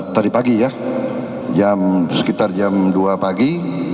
tadi pagi ya sekitar jam dua pagi